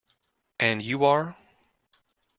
And you are?